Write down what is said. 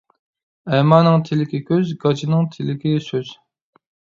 ئەمانىڭ تىلىكى كۆز، گاچىنىڭ تىلىكى سۆز.